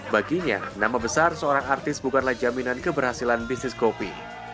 baginya nama besar seorang artis bukanlah jaminan keberhasilan bisnis kopi